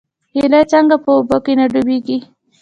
هیلۍ څنګه په اوبو کې نه ډوبیږي؟